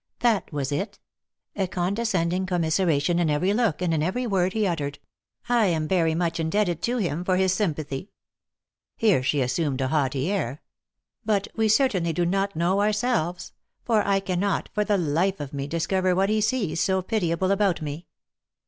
That was it ! A condescend ing commiseration in every look, and in every word he uttered. I am very much indebted to him for his sympathy. " Here she assumed a haughty air. "But we certainly do not know ourselves ; for I cannot, for the life of me, discover \vhat he sees so pitiable about me.